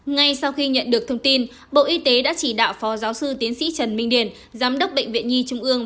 ngay sau khi nhận được thông tin bộ y tế đã chỉ đạo phó giáo sư tiến sĩ trần minh điền giám đốc bệnh viện nhi trung ương